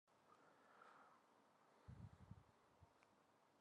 Gie, ina canzun che fetschi sguezia seigi quei.